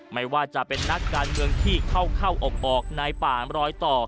ไม่ว่าจะเป็นนักการเมืองที่เข้าอกออกในป่ามรอยต่อ